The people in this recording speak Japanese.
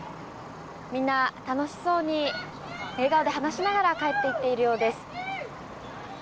みんな楽しそうに、笑顔で話しながら帰っているようです。